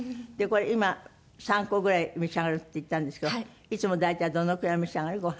でこれ今３個ぐらい召し上がるって言ったんですけどいつも大体どのくらい召し上がる？